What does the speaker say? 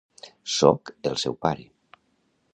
Sóc el seu pare.